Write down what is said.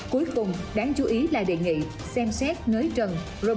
cuối cùng đáng chú ý là đề nghị xem xét nới rừng